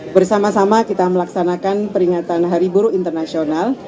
bersama sama kita melaksanakan peringatan hari buruh internasional